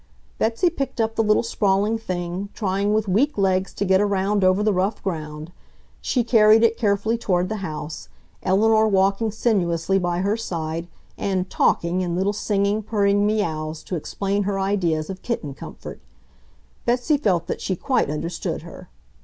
Betsy picked up the little sprawling thing, trying with weak legs to get around over the rough ground. She carried it carefully toward the house, Eleanor walking sinuously by her side and "talking" in little singing, purring MIAUWS to explain her ideas of kitten comfort. Betsy felt that she quite understood her.